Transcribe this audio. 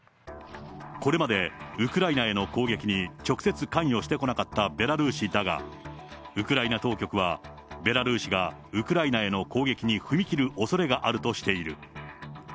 これまでウクライナへの攻撃に直接関与してこなかったベラルーシだが、ウクライナ当局は、ベラルーシがウクライナへの攻撃に踏み切るおそれがあるとしている。